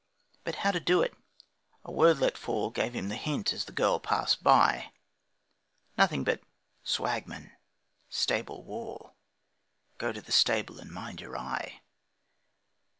But how to do it? A word let fall Gave him the hint as the girl passed by; Nothing but 'Swagman stable wall; 'Go to the stable and mind your eye.'